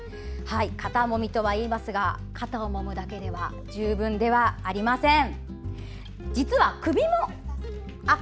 肩もみとはいいますが肩をもむだけでは十分ではありません。